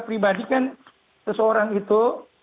pribadi kan seseorang itu